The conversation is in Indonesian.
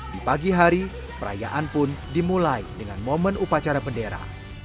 di pagi hari perayaan pun dimulai dengan momen upacara bendera